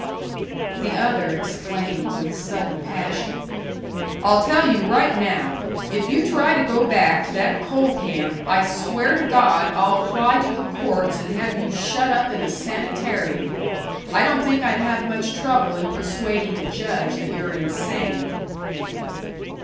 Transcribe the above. The other exclaimed, with sudden passion, "I'll tell you right now! If you try to go back to that coal camp, I swear to God I'll apply to the courts and have you shut up in a sanitarium. I don't think I'd have much trouble in persuading a judge that you're insane."